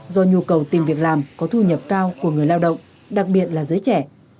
do nhu cầu tìm việc làm có thu nhập cao của người lao động đặc biệt là giới trẻ